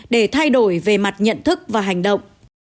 để thay đổi về mặt nhận thức và hành động